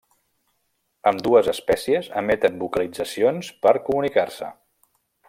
Ambdues espècies emeten vocalitzacions per comunicar-se.